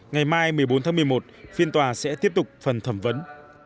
ngày mai một mươi bốn tháng một mươi một phiên tòa sẽ tiếp tục phần thẩm vấn